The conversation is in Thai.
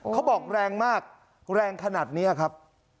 เขาบอกแรงมากแรงขนาดนี้ครับ